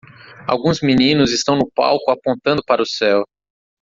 Alguns meninos estão no palco apontando para o céu.